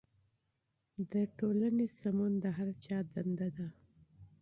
د ټولنې اصلاح د هر چا دنده ده.